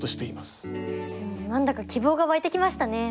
何だか希望が湧いてきましたね。